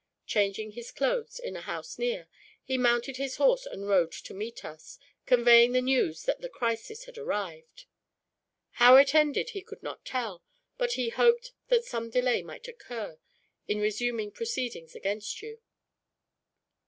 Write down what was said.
Changing his clothes in a house near, he mounted his horse and rode to meet us, conveying the news that the crisis had arrived. How it ended he could not tell; but he hoped that some delay might occur, in resuming proceedings against you."